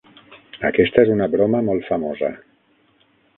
Aquesta és una broma molt famosa.